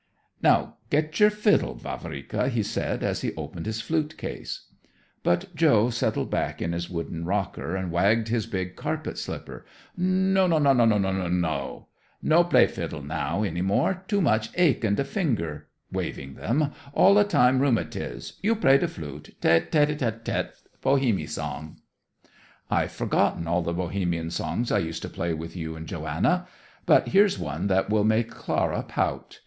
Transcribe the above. "Now get your fiddle, Vavrika," he said as he opened his flute case. But Joe settled back in his wooden rocker and wagged his big carpet slipper. "No no no no no no no! No play fiddle now any more: too much ache in de finger," waving them, "all a time rheumatiz. You play de flute, te tety te tety te. Bohemie songs." "I've forgotten all the Bohemian songs I used to play with you and Johanna. But here's one that will make Clara pout.